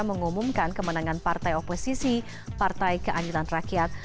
mengumumkan kemenangan partai oposisi partai keanjutan rakyat